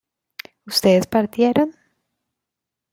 ¿ustedes partieron?